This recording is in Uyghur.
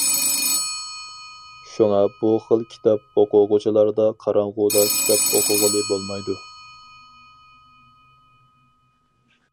شۇڭا بۇ خىل كىتاب ئوقۇغۇچلاردا قاراڭغۇدا كىتاب ئوقۇغىلى بولمايدۇ.